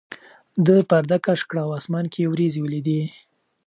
ده پرده کش کړه او اسمان کې یې وریځې ولیدې.